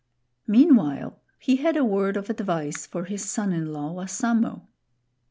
Meanwhile he had a word of advice for his son inlaw, Wassamo.